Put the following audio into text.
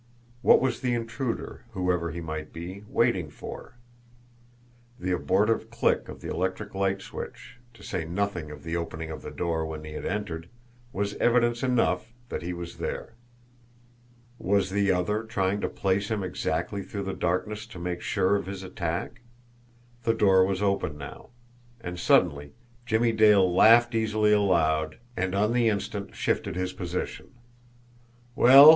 What was the intruder, whoever he might be, waiting for? The abortive click of the electric light switch, to say nothing of the opening of the door when he had entered, was evidence enough that he was there. Was the other trying to place him exactly through the darkness to make sure of his attack! The door was open now. And suddenly Jimmie Dale laughed easily aloud and on the instant shifted his position. "Well?"